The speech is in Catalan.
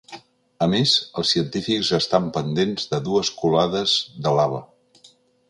A més, els científics estan pendents de dues colades de lava.